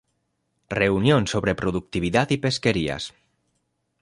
Reunión sobre productividad y pesquerías.